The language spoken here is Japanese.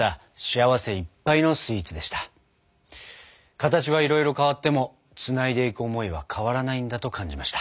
形はいろいろ変わってもつないでいく思いは変わらないんだと感じました。